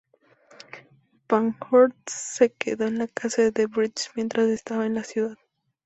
Pankhurst se quedó en la casa de Bright mientras estaba en la ciudad.